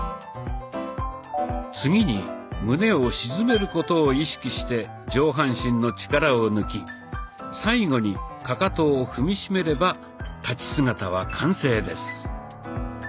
次に胸を沈めることを意識して上半身の力を抜き最後にかかとを踏み締めれば立ち姿は完成です。